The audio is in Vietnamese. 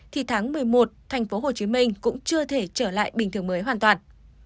thì tháng một mươi một tp hcm cũng chưa thể trở lại bình thường mới hoàn toàn